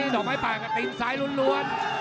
ดอกไม้ป่ายข้าติดซ้ายล้วน